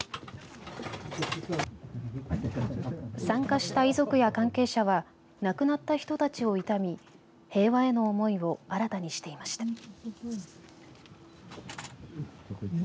参加した遺族や関係者は亡くなった人たちを悼み平和への思いを新たにしていました。